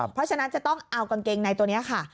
เพราะฉะนั้นจะต้องเอากางเกงในตัวนี้ค่ะ